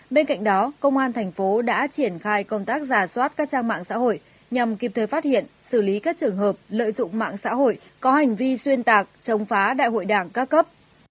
bên cạnh đó công an thành phố đã triển khai công tác giả soát các trang mạng xã hội nhằm kịp thời phát hiện xử lý các trường hợp lợi dụng mạng xã hội có hành vi xuyên tạc chống phá đại hội đảng các cấp